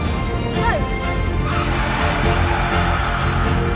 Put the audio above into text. はい！